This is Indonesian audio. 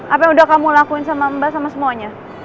apa yang udah kamu lakuin sama mbak sama semuanya